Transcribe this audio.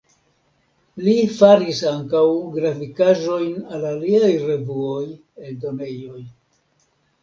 Li faris ankaŭ grafikaĵojn al aliaj revuoj, eldonejoj.